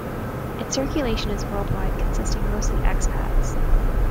Its circulation is worldwide consisting mostly ex-pats.